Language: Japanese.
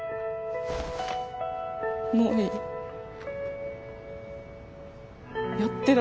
もういい。